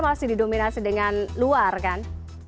masih didominasi dengan luar kan